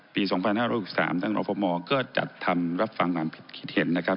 ปี๒๕๖๓ท่านรอฟมก็จัดทำรับฟังความผิดคิดเห็นนะครับ